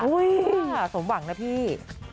อุ๊ยสมหวังนะพี่